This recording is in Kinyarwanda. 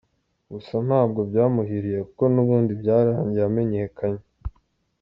Gusa ntabwo byamuhiriye kuko n’ ubundi byarangiye amenyekanye.